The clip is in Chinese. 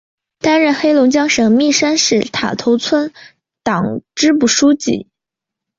担任黑龙江省密山市塔头村党支部书记。